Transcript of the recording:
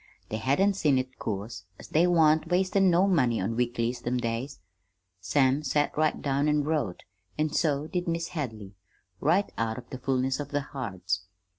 They hadn't seen it, 'course, as they wan't wastin' no money on weeklies them days. Sam set right down an' wrote, an' so did Mis' Hadley, right out of the fullness of their hearts.